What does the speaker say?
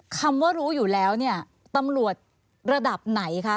คำว่ารู้อยู่แล้วเนี่ยตำรวจระดับไหนคะ